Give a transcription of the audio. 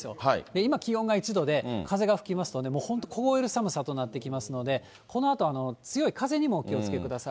今、気温が１度で風が吹きますと、もう本当、凍える寒さとなってきますので、このあと強い風にもお気をつけください。